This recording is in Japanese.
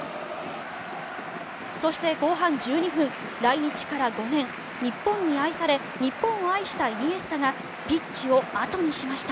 そして、後半１２分来日から５年日本に愛され、日本を愛したイニエスタがピッチを後にしました。